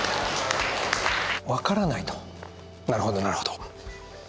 分からないとなるほどなるほど。